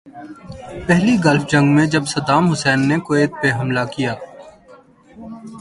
پہلی گلف جنگ میں جب صدام حسین نے کویت پہ حملہ کیا تھا۔